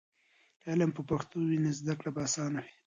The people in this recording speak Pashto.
که علم په پښتو وي، نو زده کړه به اسانه وي.